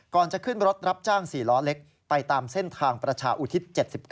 จะขึ้นรถรับจ้าง๔ล้อเล็กไปตามเส้นทางประชาอุทิศ๗๙